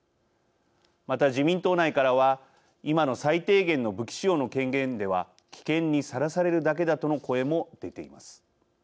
また、自民党内からは今の最低限の武器使用の権限では危険にさらされるだけだとの声も出ています。